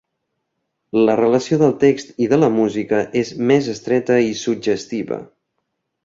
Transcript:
La relació del text i de la música és més estreta i suggestiva.